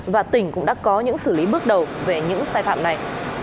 và tỉnh cũng đã có những xử lý bước đầu về những sai phạm này